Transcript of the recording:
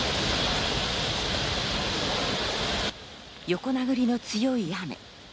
横殴りの強い雨。